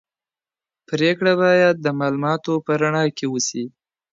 پرېکړه باید د معلوماتو په رڼا کي وسي.